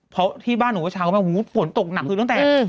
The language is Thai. เพราะที่บ้านหนูเช้ามันหูดฝนตกหนักคือตั้งแต่